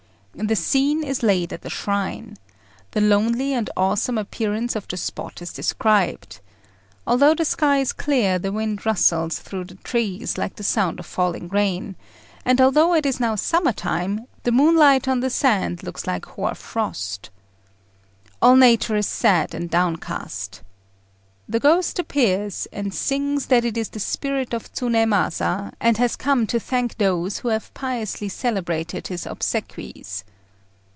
The scene is laid at the shrine. The lonely and awesome appearance of the spot is described. Although the sky is clear, the wind rustles through the trees like the sound of falling rain; and although it is now summer time, the moonlight on the sand looks like hoar frost. All nature is sad and downcast. The ghost appears, and sings that it is the spirit of Tsunémasa, and has come to thank those who have piously celebrated his obsequies.